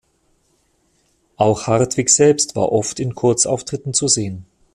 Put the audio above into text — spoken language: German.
Auch Hartwig selbst war oft in Kurzauftritten zu sehen.